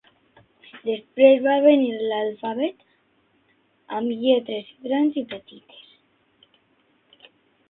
Després va venir l'alfabet amb lletres grans i petites.